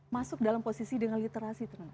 masuk dalam posisi dengan literasi